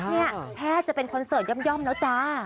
นี่แทบจะเป็นคอนเสิร์ตย่อมแล้วจ้า